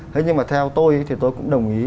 thế nhưng mà theo tôi thì tôi cũng đồng ý